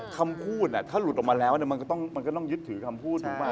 คำพูดถ้าหลุดออกมาแล้วมันก็ต้องยึดถือคำพูดถูกป่